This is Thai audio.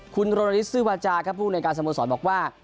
คุณโรนิสซื้อวาจาครับผู้ในการสโมสรบอกว่า